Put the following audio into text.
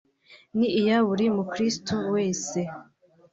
ni iya buri mukirisitu wese